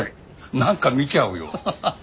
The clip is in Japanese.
何か見ちゃうよアハハハ。